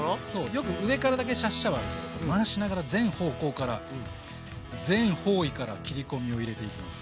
よく上からだけシャッシャはあるけど回しながら全方向から全方位から切り込みを入れていきます。